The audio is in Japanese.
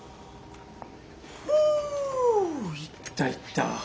ふぅ行った行った。